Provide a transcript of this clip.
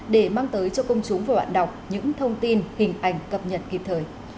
để mang tới cho công chúng và bạn đọc những thông tin hình ảnh cập nhật kịp thời